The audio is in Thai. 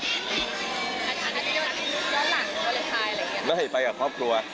ค่ะค่อนข้างก็จะเที่ยวหลังวาเลนไทยอะไรอย่างนี้